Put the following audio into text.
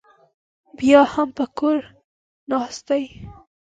بیا هم په کور ناست دی